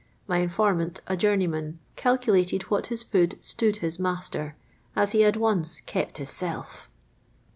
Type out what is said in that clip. My informant, a journeyman, calculated what his food *' stood his master," as he had once " kept hisself."